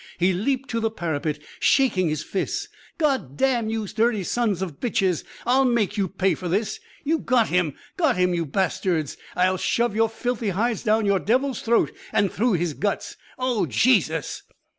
He leaped to the parapet, shaking his fists. "God damn you dirty sons of bitches. I'll make you pay for this. You got him, got him, you bastards! I'll shove your filthy hides down the devil's throat and through his guts. Oh, Jesus!"